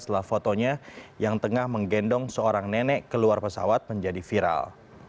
setelah fotonya yang tengah menggendong seorang nenek keluar pesawat menjadi viral